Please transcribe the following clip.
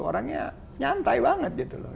orangnya nyantai banget gitu loh